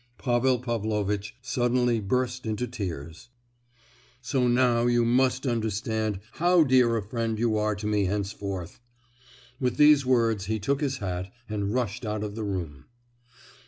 " Pavel Pavlovitch suddenly burst into tears. "So now you must understand how dear a friend you are to me henceforth." With these words he took his hat and rushed out of the room.